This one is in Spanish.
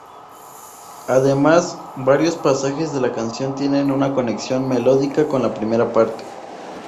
Además, varios pasajes de la canción tienen una conexión melódica con la primera parte.